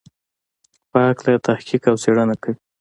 په هکله یې تحقیق او څېړنه کوي.